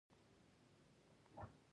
د ځان خوندیتوب لپاره یې واکسېنېشن کول.